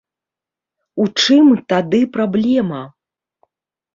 У чым тады праблема?